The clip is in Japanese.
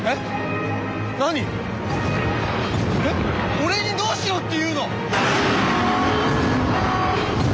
俺にどうしろっていうの！